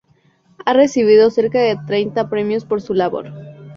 Ha recibido cerca de treinta premios por su labor.